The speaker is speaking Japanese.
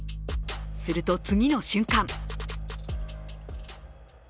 すると、次の瞬間。